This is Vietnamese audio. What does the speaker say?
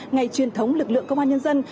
ngày truyền thống lực lượng công an nhân dân